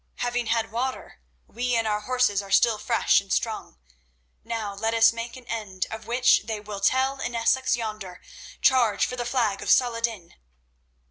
Having had water, we and our horses are still fresh and strong. Now, let us make an end of which they will tell in Essex yonder. Charge for the flag of Saladin!"